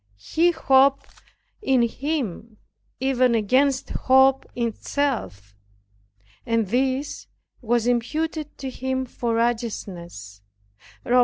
He hoped in Him even against hope itself, and this was imputed to him for righteousness, (Rom.